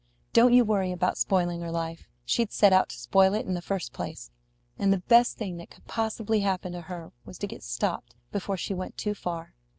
Don't you worry about spoiling her life. She'd set out to spoil it in the first place, and the best thing that could possibly happen to her was to get stopped before she went too far.